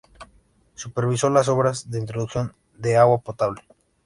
Supervisó las obras de introducción de agua potable.